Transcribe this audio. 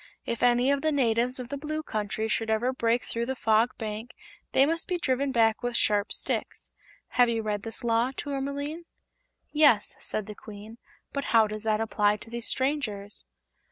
If any of the natives of the Blue Country should ever break through the Fog Bank they must be driven back with sharp sticks.' Have you read this Law, Tourmaline?" "Yes," said the Queen; "but how does that apply to these strangers?"